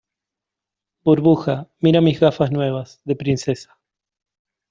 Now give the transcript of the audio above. burbuja, mira mis gafas nuevas , de princesa.